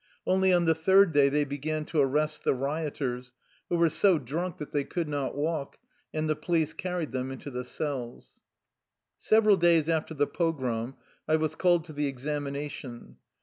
Only on the third day they began to arrest the rioters, who were so drunk that they could not walk, and the police carried them into the cells. Several days after the pogrom I was called to the examination.